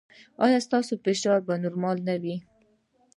ایا ستاسو فشار به نورمال نه وي؟